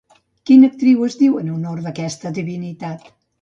Quina actriu es diu en honor d'aquesta divinitat?